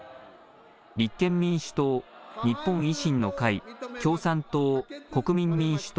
立憲民主党、日本維新の会共産党、国民民主党